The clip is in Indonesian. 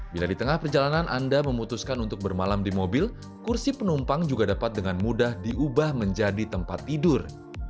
bila di tengah perjalanan anda memutuskan untuk bermalam di mobil kursi penumpang juga dapat dengan mudah diubah menjadi tempat tidur